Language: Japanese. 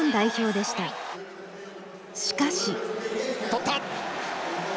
しかし取った！